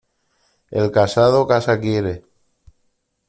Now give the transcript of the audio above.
El casado casa quiere.